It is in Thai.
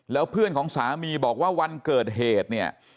แล้วเพื่อนของสามีบอกว่าวันเกิดเหตุเนี่ย